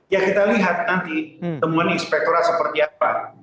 ya kita lihat nanti temuan inspektorat seperti apa